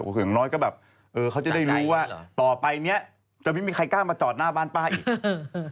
อย่างน้อยเขาจะได้รู้ว่าว่าต่อไปจะมีใครกล้ามาจอดหน้าบ้านป๊าอีก